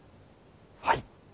はい。